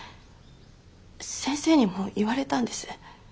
先生にも言われたんです